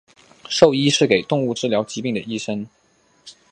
兽医是给动物治疗疾病的医生。